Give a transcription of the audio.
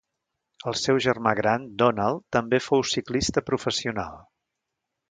El seu germà gran Donald, també fou ciclista professional.